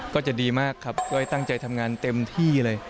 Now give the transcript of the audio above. ก็จะดีมากครับก้อยตั้งใจทำงานเต็มที่เลย